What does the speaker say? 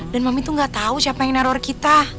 dan mami tuh gak tau siapa yang neror kita